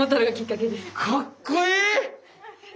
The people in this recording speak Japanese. かっこいい！